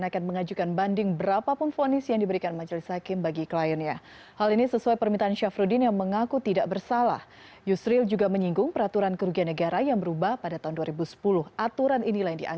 kewajiban pemegang nasional indonesia yang dimiliki pengusaha syamsul nursalim